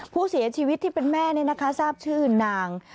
ผู้เสียชีวิตที่เป็นแม่นี่นะคะทราบชื่อนาง